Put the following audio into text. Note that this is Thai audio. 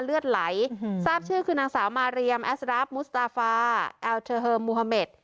เลือดไหลทราบชื่อคือนางสาวมาเรียมแอสราฟมุสตาฟาแอลเทอร์เฮิมมูฮาเมด